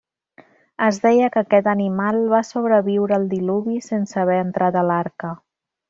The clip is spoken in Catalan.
Es deia que aquest animal va sobreviure al Diluvi sense haver entrat a l'Arca.